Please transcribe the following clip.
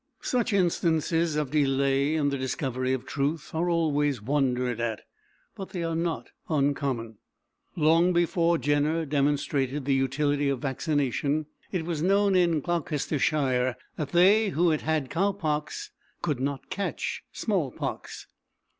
Such instances of delay in the discovery of truth are always wondered at, but they are not uncommon. Long before Jenner demonstrated the utility of vaccination it was known in Gloucestershire that they who had had cow pox could not catch the small pox.